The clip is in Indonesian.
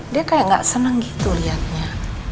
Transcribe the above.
dia kayak gak seneng gitu lihatnya